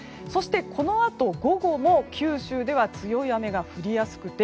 このあと午後も九州では強い雨が降りやすくて